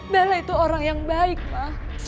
bella itu orang yang baik ma